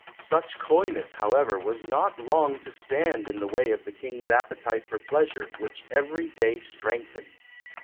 Such coyness, however, was not long to stand in the way of the King's appetite for pleasure which every day strengthened.